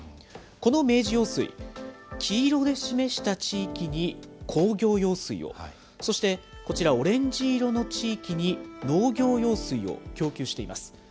この明治用水、黄色で示した地域に工業用水を、そしてこちら、オレンジ色の地域に農業用水を供給しています。